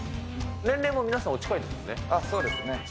年齢も皆さん、そうですね。